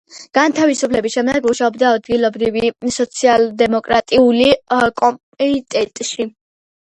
გათავისუფლების შემდეგ მუშაობდა ადგილობრივ სოციალ-დემოკრატიულ კომიტეტში.